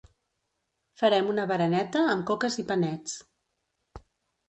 Farem una bereneta amb coques i panets